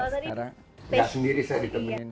sekarang saya sendiri saya ditemui